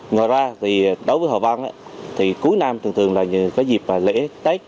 ngoài ra đối với hòa vang cuối năm thường thường là dịp lễ tết